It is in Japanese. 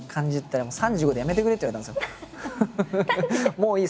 「もういい。